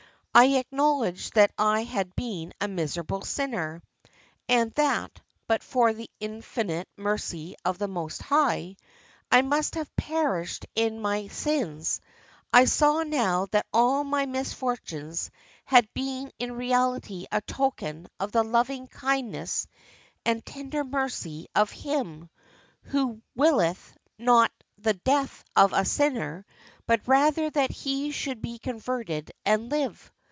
I acknowledged that I had been a miserable sinner, and that but for the infinite mercy of the Most High, I must have perished in my sins; I saw now that all my misfortunes had been in reality a token of the loving kindness and tender mercy of Him, who 'willeth not the death of a sinner, but rather that he should be converted and live.